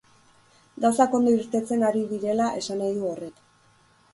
Gauzak ondo irtetzen ari direla esan nahi du horrek.